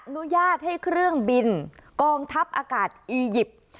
อนุญาตให้เครื่องบินกองทัพอากาศอียิปต์